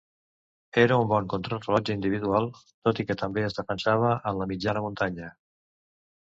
Era un bon contrarellotge individual, tot i que també es defensava en la mitjana muntanya.